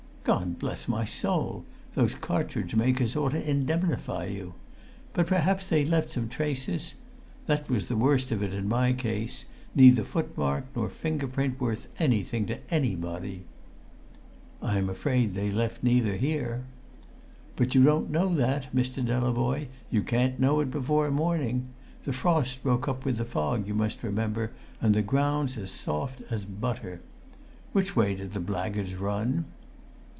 "God bless my soul! Those cartridge makers ought to indemnify you. But perhaps they left some traces? That was the worst of it in my case neither footmark nor finger print worth anything to any body!" "I'm afraid they left neither here." "But you don't know that, Mr. Delavoye; you can't know it before morning. The frost broke up with the fog, you must remember, and the ground's as soft as butter. Which way did the blackguards run?"